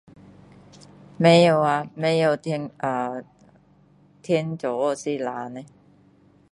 不知啊不知啊天做莫是蓝的